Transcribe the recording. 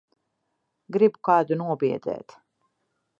Gribu kādu nobiedēt.